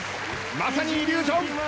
まさにイリュージョン。